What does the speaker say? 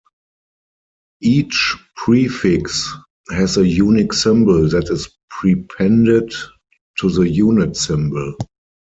Each prefix has a unique symbol that is prepended to the unit symbol.